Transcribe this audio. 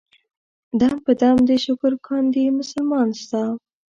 دم په دم دې شکر کاندي مسلمان ستا.